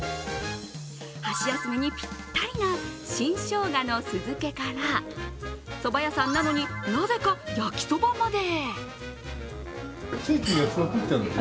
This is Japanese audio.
箸休めにぴったりな新しょうがの酢漬けから、蕎麦屋さんなのに、なぜか焼きそばまで。